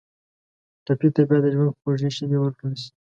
ټپي ته باید د ژوند خوږې شېبې ورکړل شي.